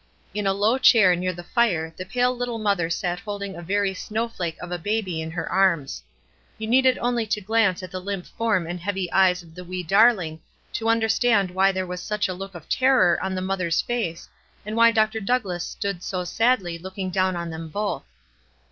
In a low chair near the fire the pale little mother sat holding a very snow flake of a baby in her arms. You needed only to glance at the limp form and heavy eyes of the wee darl ing to understand why there was such a look of terror on the mother's face, and why Dr. Doug WISE AND OTHERWISE. 369 lass stood so sadly looking down on them both.